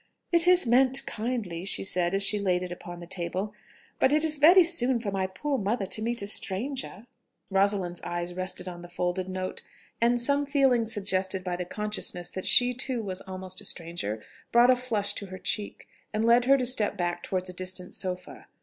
"It is meant kindly," she said as she laid it upon the table; "but it is very soon for my poor mother to meet a stranger." Rosalind's eyes rested on the folded note, and some feeling suggested by the consciousness that she too was almost a stranger brought a flush to her cheek, and led her to step back towards a distant sofa.